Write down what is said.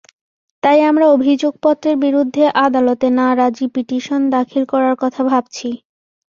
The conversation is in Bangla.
তাই আমরা অভিযোগপত্রের বিরুদ্ধে আদালতে নারাজি পিটিশন দাখিল করার কথা ভাবছি।